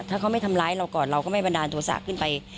ถ้าเขาไม่ทำร้ายเราก่อนเราก็ไม่บันดาลโทษะขึ้นไป